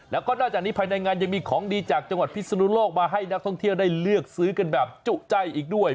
แล้วก็นอกจากนี้ภายในงานยังมีของดีจากจังหวัดพิศนุโลกมาให้นักท่องเที่ยวได้เลือกซื้อกันแบบจุใจอีกด้วย